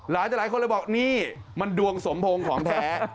แล้วใครเขาเลยบอกนี่มันดวงสมพงของแถ